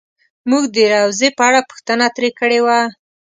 مونږ د روضې په اړه پوښتنه ترې کړې وه.